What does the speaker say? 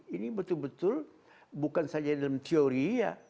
ini betul betul bukan saja dalam teori ya